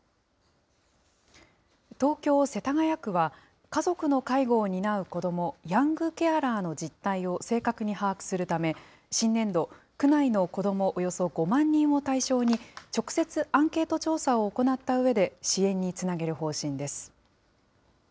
東京・世田谷区は、家族の介護を担う子ども、ヤングケアラーの実態を正確に把握するため、新年度、区内の子どもおよそ５万人を対象に直接アンケート調査を行ったうえで、支援につなげる方針です。